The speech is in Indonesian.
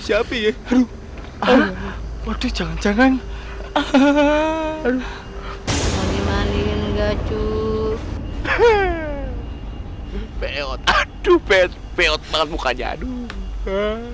tapi aduh aduh aduh jangan jangan aduh mandi mandiin gak cuy aduh aduh aduh aduh aduh aduh aduh